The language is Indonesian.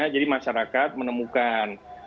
jadi masyarakat menemukan